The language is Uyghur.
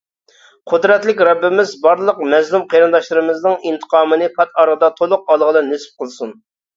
قۇدرەتلىك رەببىمىز بارلىق مەزلۇم قېرىنداشلىرىمىزنىڭ ئىنتىقامىنى پات ئارىدا تولۇق ئالغىلى نېسىپ قىلسۇن !